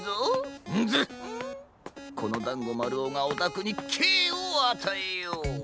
このだんごまるおがおたくにけいをあたえよう。